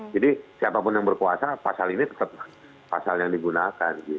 jadi siapapun yang berkuasa pasal ini tetap pasal yang digunakan